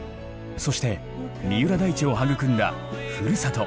そして三浦大知を育んだふるさと